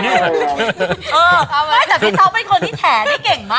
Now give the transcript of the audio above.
นี่เก่งมากเลยเนอะ